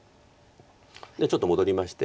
じゃあちょっと戻りまして。